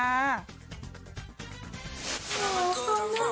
อ๋อน่ารักมาก